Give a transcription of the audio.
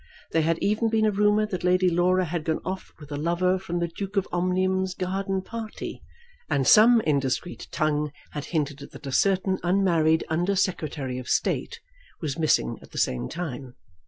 There had even been a rumour that Lady Laura had gone off with a lover from the Duke of Omnium's garden party, and some indiscreet tongue had hinted that a certain unmarried Under Secretary of State was missing at the same time.